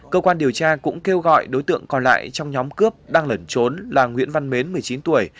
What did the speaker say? cơ quan điều tra cũng kêu gọi đối tượng còn lại trong nhóm cướp đang lẩn trốn là nguyễn văn mến một mươi chín tuổi